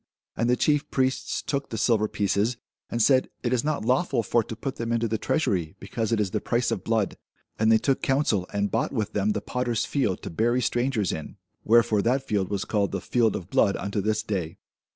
And the chief priests took the silver pieces, and said, It is not lawful for to put them into the treasury, because it is the price of blood. And they took counsel, and bought with them the potter's field, to bury strangers in. Wherefore that field was called the field of blood unto this day.